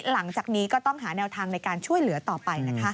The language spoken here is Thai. หลังจากนี้ก็ต้องหาแนวทางในการช่วยเหลือต่อไปนะคะ